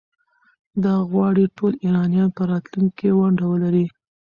ده غواړي ټول ایرانیان په راتلونکي کې ونډه ولري.